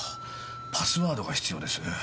パスワードが必要です。